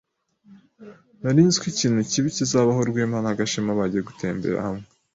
Nari nzi ko ikintu kibi kizabaho Rwema na Gashema bagiye gutembera hamwe.